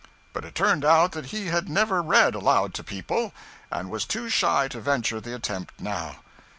But it turned out that he had never read aloud to people, and was too shy to venture the attempt now.